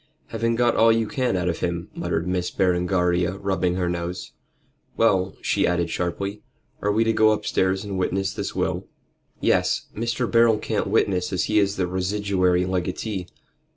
"Having got all you can out of him," muttered Miss Berengaria, rubbing her nose. "Well," she added sharply, "are we to go upstairs and witness this will?" "Yes! Mr. Beryl can't witness as he is the residuary legatee.